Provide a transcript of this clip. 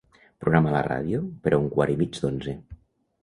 Programa la ràdio per a un quart i mig d'onze.